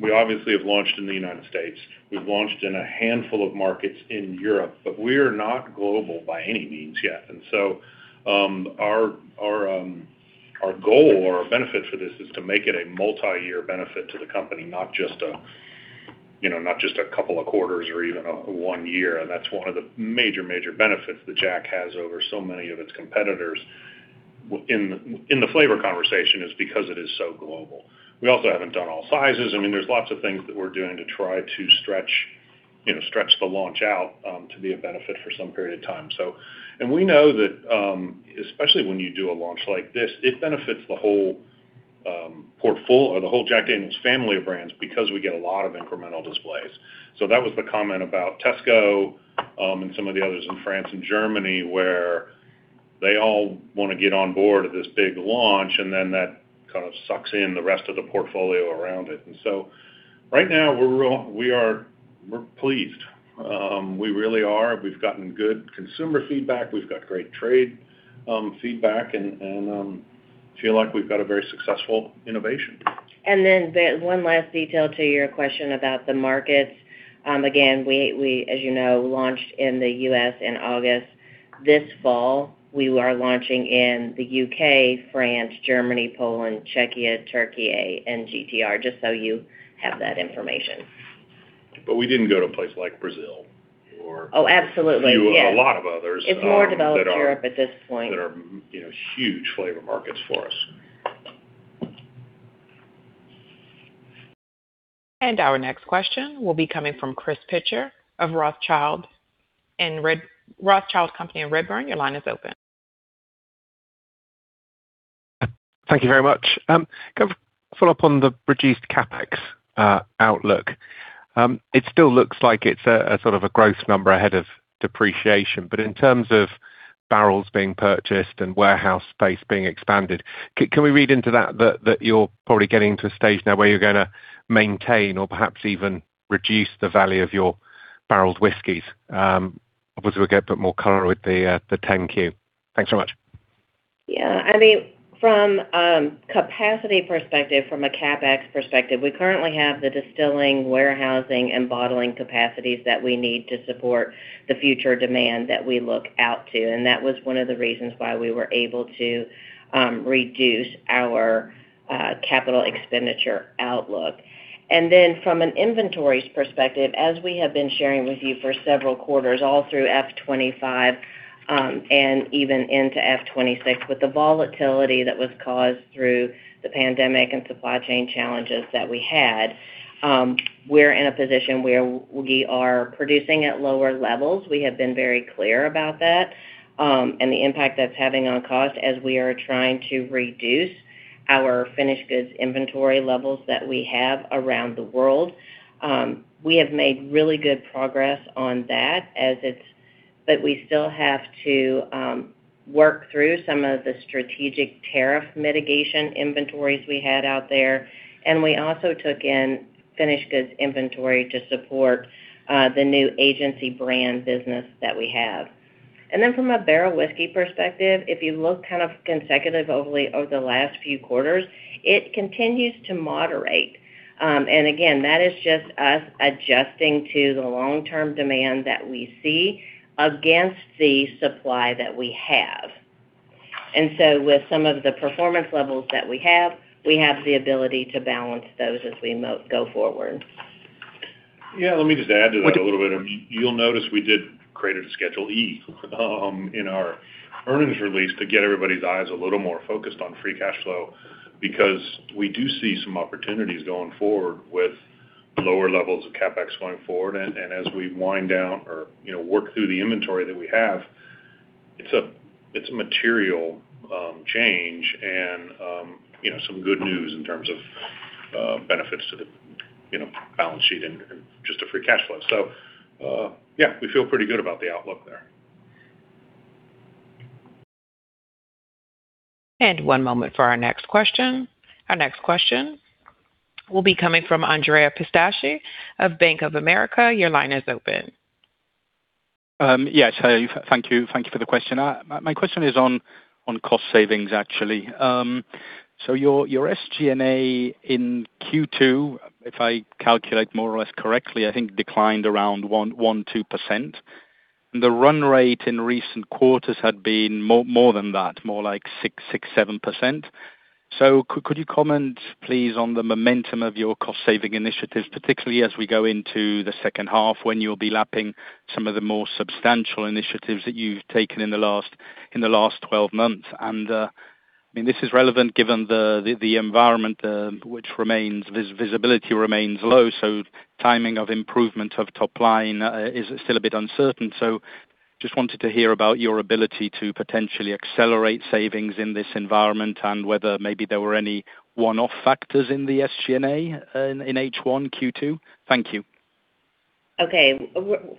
we obviously have launched in the United States. We've launched in a handful of markets in Europe, but we are not global by any means yet. And so our goal or our benefit for this is to make it a multi-year benefit to the company, not just a couple of quarters or even one year. And that's one of the major, major benefits that Jack has over so many of its competitors in the flavor conversation is because it is so global. We also haven't done all sizes. I mean, there's lots of things that we're doing to try to stretch the launch out to be a benefit for some period of time. And we know that especially when you do a launch like this, it benefits the whole Jack Daniel's family of brands because we get a lot of incremental displays. So that was the comment about Tesco and some of the others in France and Germany where they all want to get on board of this big launch, and then that kind of sucks in the rest of the portfolio around it. And so right now, we're pleased. We really are. We've gotten good consumer feedback. We've got great trade feedback, and I feel like we've got a very successful innovation. And then one last detail to your question about the markets. Again, as you know, we launched in the U.S. in August. This fall, we are launching in the U.K., France, Germany, Poland, Czechia, Turkey, and GTR, just so you have that information. But we didn't go to a place like Brazil or U.S. Oh, absolutely. A lot of others that are huge flavor markets for us. Our next question will be coming from Chris Pitcher of Rothschild & Co Redburn. Your line is open. Thank you very much. Follow up on the reduced CapEx outlook. It still looks like it's a sort of a growth number ahead of depreciation. But in terms of barrels being purchased and warehouse space being expanded, can we read into that that you're probably getting to a stage now where you're going to maintain or perhaps even reduce the value of your barrels of whiskeys? Obviously, we'll get a bit more color with the 10-Q. Thanks very much. Yeah. I mean, from a capacity perspective, from a CapEx perspective, we currently have the distilling, warehousing, and bottling capacities that we need to support the future demand that we look out to. And that was one of the reasons why we were able to reduce our capital expenditure outlook. And then from an inventory perspective, as we have been sharing with you for several quarters, all through F25 and even into F26, with the volatility that was caused through the pandemic and supply chain challenges that we had, we're in a position where we are producing at lower levels. We have been very clear about that and the impact that's having on cost as we are trying to reduce our finished goods inventory levels that we have around the world. We have made really good progress on that, but we still have to work through some of the strategic tariff mitigation inventories we had out there. And we also took in finished goods inventory to support the new agency brand business that we have. And then from a barrel whiskey perspective, if you look kind of consecutively over the last few quarters, it continues to moderate. And again, that is just us adjusting to the long-term demand that we see against the supply that we have. And so with some of the performance levels that we have, we have the ability to balance those as we go forward. Yeah. Let me just add to that a little bit. You'll notice we did create a Schedule E in our earnings release to get everybody's eyes a little more focused on free cash flow because we do see some opportunities going forward with lower levels of CapEx going forward. And as we wind down or work through the inventory that we have, it's a material change and some good news in terms of benefits to the balance sheet and just a free cash flow. So yeah, we feel pretty good about the outlook there. And one moment for our next question. Our next question will be coming from Andrea Pistacchi of Bank of America. Your line is open. Yes. Thank you for the question. My question is on cost savings, actually. So your SG&A in Q2, if I calculate more or less correctly, I think declined around 1-2%. And the run rate in recent quarters had been more than that, more like 6%-7%. So could you comment, please, on the momentum of your cost-saving initiatives, particularly as we go into the second half when you'll be lapping some of the more substantial initiatives that you've taken in the last 12 months? And I mean, this is relevant given the environment, which remains. Visibility remains low. So timing of improvement of top line is still a bit uncertain. So just wanted to hear about your ability to potentially accelerate savings in this environment and whether maybe there were any one-off factors in the SG&A in H1, Q2. Thank you. Okay.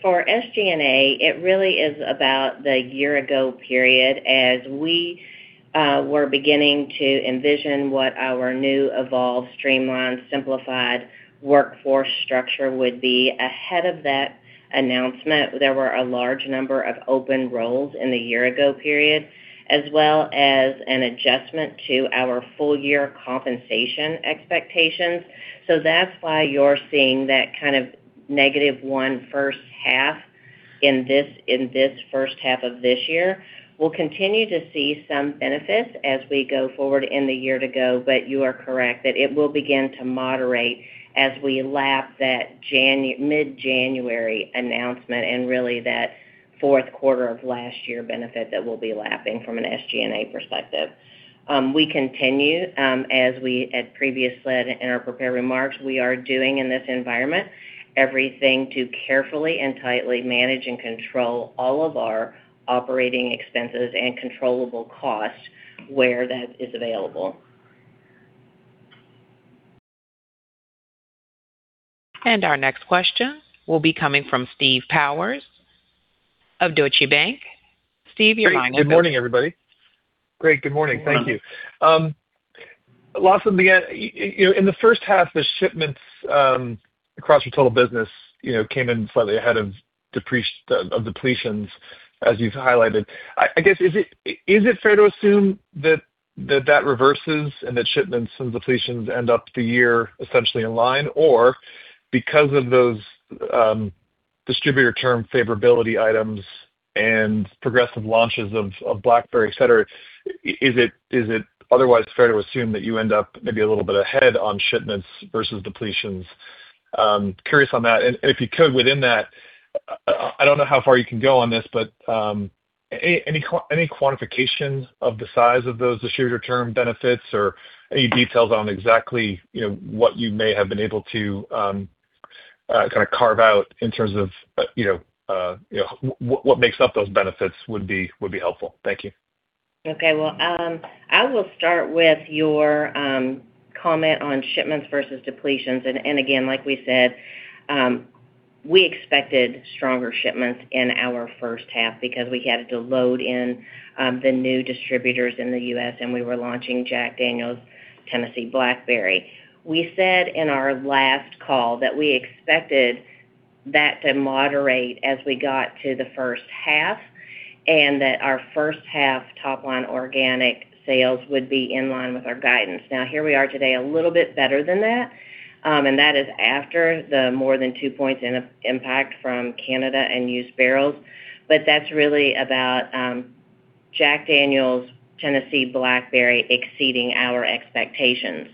For SG&A, it really is about the year-ago period as we were beginning to envision what our new, evolved, streamlined, simplified workforce structure would be. Ahead of that announcement, there were a large number of open roles in the year-ago period, as well as an adjustment to our full-year compensation expectations. So that's why you're seeing that kind of negative one first half in this first half of this year. We'll continue to see some benefits as we go forward in the year to go, but you are correct that it will begin to moderate as we lap that mid-January announcement and really that fourth quarter of last year benefit that we'll be lapping from an SG&A perspective. We continue, as we had previously said in our prepared remarks, we are doing in this environment everything to carefully and tightly manage and control all of our operating expenses and controllable costs where that is available. And our next question will be coming from Steve Powers of Deutsche Bank. Steve, your line is open. Hey, good morning, everybody. Great. Good morning. Thank you. Lawson, again, in the first half, the shipments across your total business came in slightly ahead of depletions, as you've highlighted. I guess, is it fair to assume that that reverses and that shipments and depletions end up the year essentially in line? Or because of those distributor term favorability items and progressive launches of Blackberry, etc., is it otherwise fair to assume that you end up maybe a little bit ahead on shipments versus depletions? Curious on that. And if you could, within that, I don't know how far you can go on this, but any quantification of the size of those distributor term benefits or any details on exactly what you may have been able to kind of carve out in terms of what makes up those benefits would be helpful. Thank you. Okay. I will start with your comment on shipments versus depletions. And again, like we said, we expected stronger shipments in our first half because we had to load in the new distributors in the U.S., and we were launching Jack Daniel's Tennessee Blackberry. We said in our last call that we expected that to moderate as we got to the first half and that our first half top-line organic sales would be in line with our guidance. Now, here we are today a little bit better than that, and that is after the more than two points in impact from Canada and used barrels. But that's really about Jack Daniel's Tennessee Blackberry exceeding our expectations.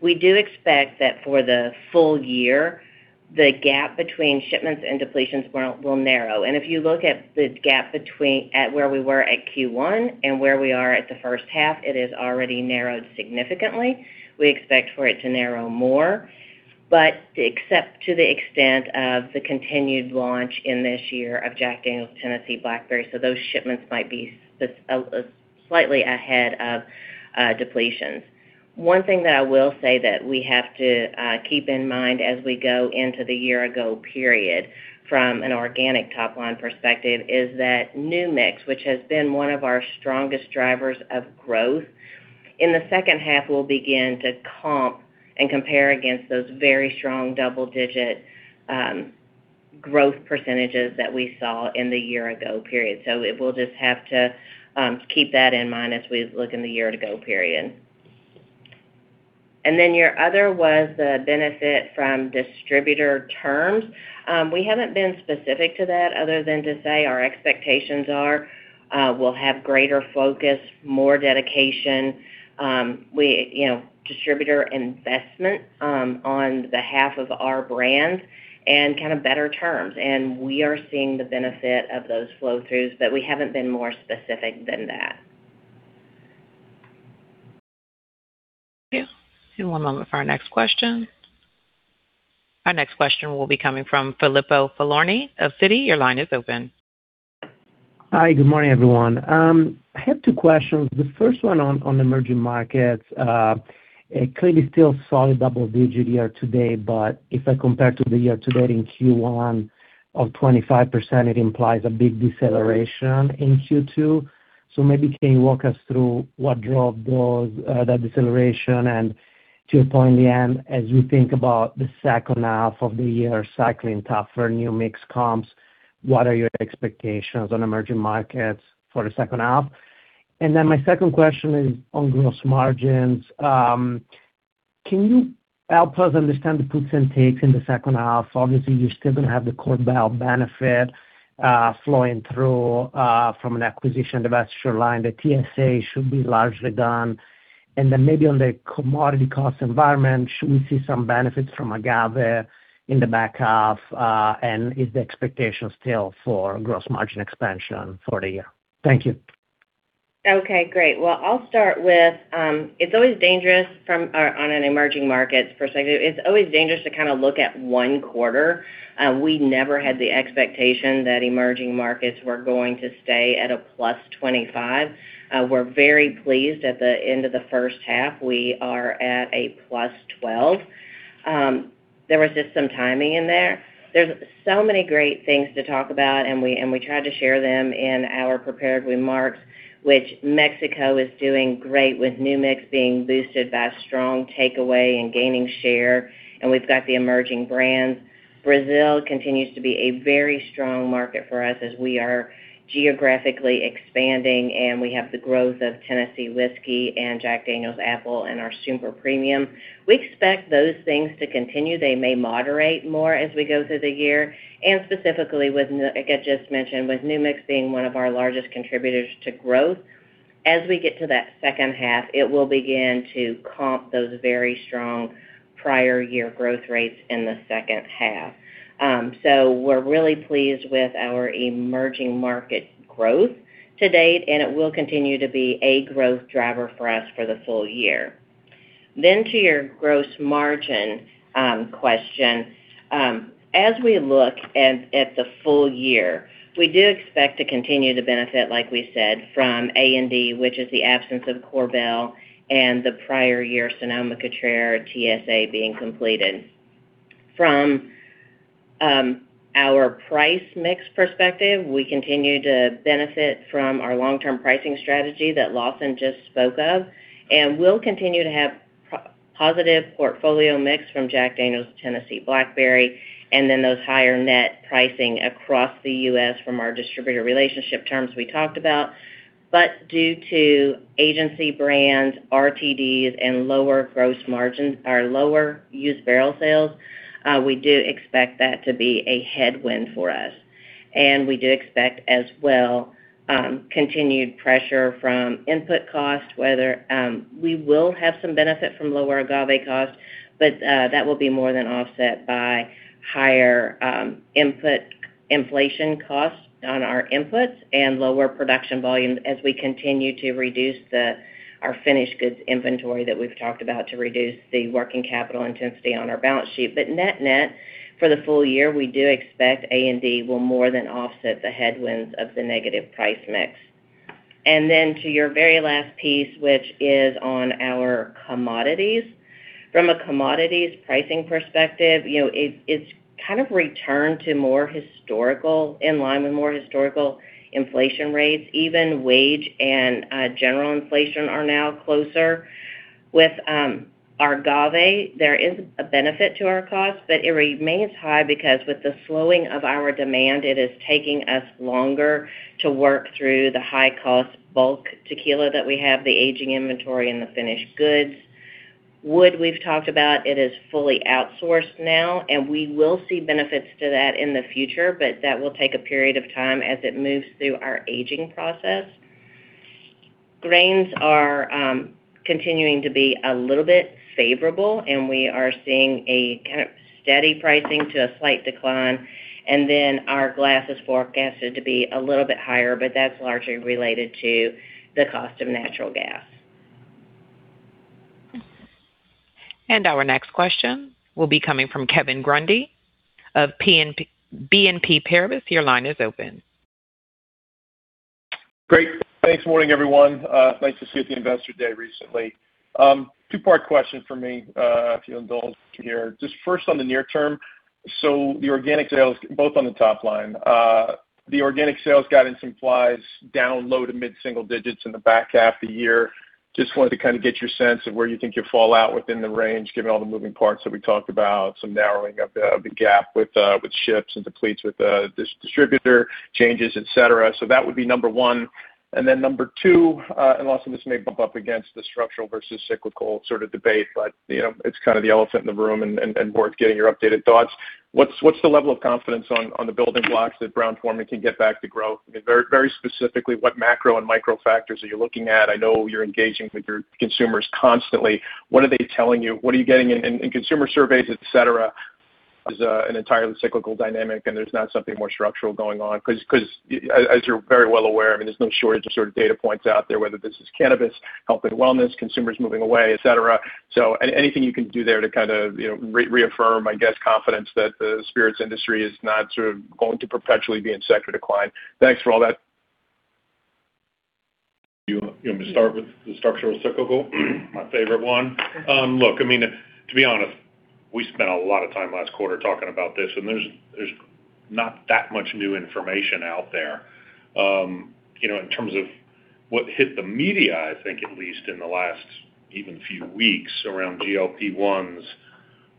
We do expect that for the full year, the gap between shipments and depletions will narrow. If you look at the gap at where we were at Q1 and where we are at the first half, it has already narrowed significantly. We expect for it to narrow more, but to the extent of the continued launch in this year of Jack Daniel's Tennessee Blackberry. Those shipments might be slightly ahead of depletions. One thing that I will say that we have to keep in mind as we go into the year-ago period from an organic top-line perspective is that New Mix, which has been one of our strongest drivers of growth in the second half, will begin to comp and compare against those very strong double-digit growth percentages that we saw in the year-ago period. We'll just have to keep that in mind as we look in the year-ago period. Then your other was the benefit from distributor terms. We haven't been specific to that other than to say our expectations are we'll have greater focus, more dedication, distributor investment on behalf of our brand, and kind of better terms. And we are seeing the benefit of those flow-throughs, but we haven't been more specific than that. Okay. One moment for our next question. Our next question will be coming from Filippo Falorni of Citi. Your line is open. Hi. Good morning, everyone. I have two questions. The first one on emerging markets, it clearly still saw a double-digit year-to-date, but if I compare to the year-to-date in Q1 of 25%, it implies a big deceleration in Q2. So maybe can you walk us through what drove that deceleration? And to your point, Leanne, as we think about the second half of the year cycling tougher, New Mix comes, what are your expectations on emerging markets for the second half? And then my second question is on gross margins. Can you help us understand the puts and takes in the second half? Obviously, you're still going to have the Korbel benefit flowing through from a divestiture, the Sonoma-Cutrer, the TSA should be largely done. And then maybe on the commodity cost environment, should we see some benefits from agave in the back half? And is the expectation still for gross margin expansion for the year? Thank you. Okay. Great. Well, I'll start with, it's always dangerous from an emerging markets perspective. It's always dangerous to kind of look at one quarter. We never had the expectation that emerging markets were going to stay at a +25%. We're very pleased at the end of the first half. We are at a +12%. There was just some timing in there. There's so many great things to talk about, and we tried to share them in our prepared remarks, which Mexico is doing great with New Mix being boosted by strong takeaway and gaining share. And we've got the emerging brands. Brazil continues to be a very strong market for us as we are geographically expanding, and we have the growth of Tennessee Whiskey and Jack Daniel's Apple, and our Super Premium. We expect those things to continue. They may moderate more as we go through the year. And specifically, like I just mentioned, with New Mix being one of our largest contributors to growth, as we get to that second half, it will begin to comp those very strong prior-year growth rates in the second half. So we're really pleased with our emerging market growth to date, and it will continue to be a growth driver for us for the full year. Then to your gross margin question, as we look at the full year, we do expect to continue to benefit, like we said, from A&D, which is the absence of Korbel, and the prior-year Sonoma-Cutrer TSA being completed. From our price mix perspective, we continue to benefit from our long-term pricing strategy that Lawson just spoke of. And we'll continue to have positive portfolio mix from Jack Daniel's Tennessee Blackberry, and then those higher-net pricing across the U.S. from our distributor relationship terms we talked about. But due to agency brands, RTDs, and lower used barrel sales, we do expect that to be a headwind for us. And we do expect as well continued pressure from input cost, whether we will have some benefit from lower agave cost, but that will be more than offset by higher inflation costs on our inputs and lower production volumes as we continue to reduce our finished goods inventory that we've talked about to reduce the working capital intensity on our balance sheet. But net-net, for the full year, we do expect A&D will more than offset the headwinds of the negative price mix. And then to your very last piece, which is on our commodities. From a commodities pricing perspective, it's kind of returned to more historical, in line with more historical inflation rates. Even wage and general inflation are now closer. With agave, there is a benefit to our cost, but it remains high because with the slowing of our demand, it is taking us longer to work through the high-cost bulk tequila that we have, the aging inventory, and the finished goods. Wood we've talked about, it is fully outsourced now, and we will see benefits to that in the future, but that will take a period of time as it moves through our aging process. Grains are continuing to be a little bit favorable, and we are seeing a kind of steady pricing to a slight decline. And then our glass is forecasted to be a little bit higher, but that's largely related to the cost of natural gas. And our next question will be coming from Kevin Grundy of BNP Paribas. Your line is open. Great. Thanks. Morning, everyone. Nice to see you at the Investor Day recently. Two-part question from me if you'll indulge here. Just first on the near term. So the organic sales, both on the top line. The organic sales guidance is down low- to mid-single digits in the back half of the year. Just wanted to kind of get your sense of where you think you'll fall out within the range, given all the moving parts that we talked about, some narrowing of the gap with ships and depletions with distributor changes, etc. So that would be number one. And then number two, and Lawson, this may bump up against the structural versus cyclical sort of debate, but it's kind of the elephant in the room and worth getting your updated thoughts. What's the level of confidence on the building blocks that Brown-Forman can get back to growth? Very specifically, what macro and micro factors are you looking at? I know you're engaging with your consumers constantly. What are they telling you? What are you getting in consumer surveys, etc.? Is an entirely cyclical dynamic, and there's not something more structural going on? Because as you're very well aware, I mean, there's no shortage of sort of data points out there, whether this is cannabis, health, and wellness, consumers moving away, etc. So anything you can do there to kind of reaffirm, I guess, confidence that the spirits industry is not sort of going to perpetually be in sector decline. Thanks for all that. You want me to start with the structural cyclical? My favorite one. Look, I mean, to be honest, we spent a lot of time last quarter talking about this, and there's not that much new information out there. In terms of what hit the media, I think, at least in the last even few weeks around GLP-1s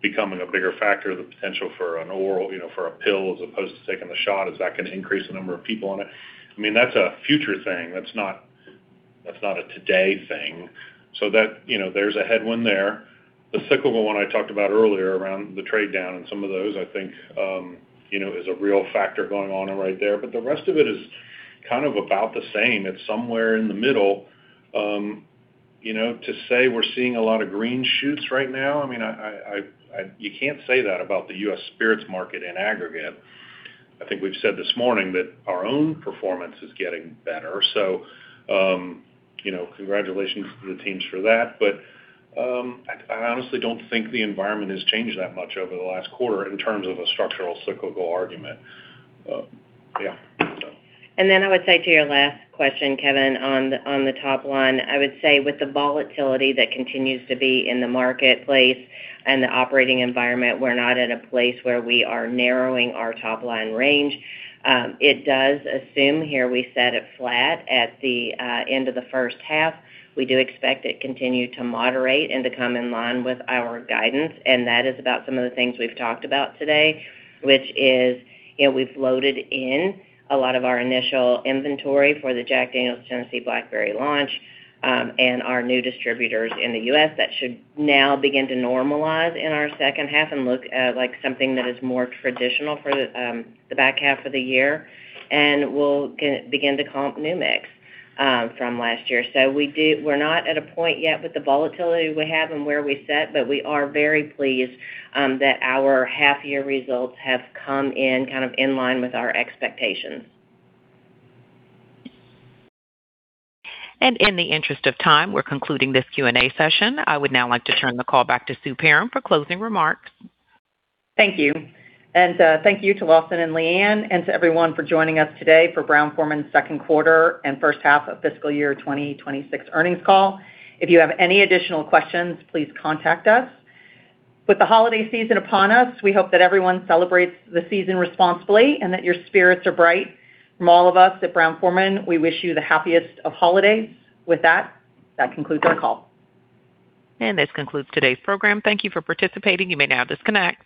becoming a bigger factor, the potential for an oral, for a pill as opposed to taking the shot, is that going to increase the number of people on it? I mean, that's a future thing. That's not a today thing. So there's a headwind there. The cyclical one I talked about earlier around the trade down and some of those, I think, is a real factor going on right there. But the rest of it is kind of about the same. It's somewhere in the middle. To say we're seeing a lot of green shoots right now, I mean, you can't say that about the U.S. spirits market in aggregate. I think we've said this morning that our own performance is getting better. So congratulations to the teams for that. But I honestly don't think the environment has changed that much over the last quarter in terms of a structural cyclical argument. Yeah. And then I would say to your last question, Kevin, on the top line, I would say with the volatility that continues to be in the marketplace and the operating environment, we're not at a place where we are narrowing our top-line range. It does assume here we set it flat at the end of the first half. We do expect it to continue to moderate and to come in line with our guidance. And that is about some of the things we've talked about today, which is we've loaded in a lot of our initial inventory for the Jack Daniel's Tennessee Blackberry launch and our new distributors in the U.S. That should now begin to normalize in our second half and look like something that is more traditional for the back half of the year. And we'll begin to comp New Mix from last year. So we're not at a point yet with the volatility we have and where we set, but we are very pleased that our half-year results have come in kind of in line with our expectations. And in the interest of time, we're concluding this Q&A session. I would now like to turn the call back to Sue Perram for closing remarks. Thank you. And thank you to Lawson and Leanne and to everyone for joining us today for Brown-Forman's second quarter and first half of fiscal year 2026 earnings call. If you have any additional questions, please contact us. With the holiday season upon us, we hope that everyone celebrates the season responsibly and that your spirits are bright. From all of us at Brown-Forman, we wish you the happiest of holidays. With that, that concludes our call. And this concludes today's program. Thank you for participating. You may now disconnect.